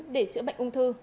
để chữa bệnh ung thư